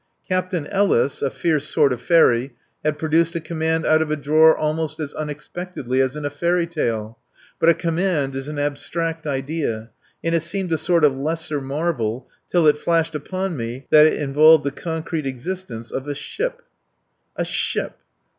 Captain Ellis (a fierce sort of fairy) had produced a command out of a drawer almost as unexpectedly as in a fairy tale. But a command is an abstract idea, and it seemed a sort of "lesser marvel" till it flashed upon me that it involved the concrete existence of a ship. A ship!